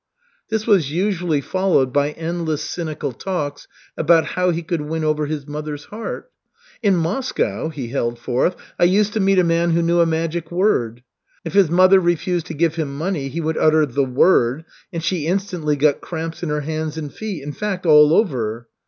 '" This was usually followed by endless cynical talks about how he could win over his mother's heart. "In Moscow," he held forth, "I used to meet a man who knew a magic word. If his mother refused to give him money he would utter 'the word,' and she instantly got cramps in her hands and feet, in fact all over."